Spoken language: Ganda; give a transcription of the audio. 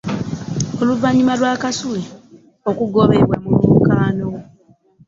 Oluvannyuma lwa Kasule okugobwa mu lwokaano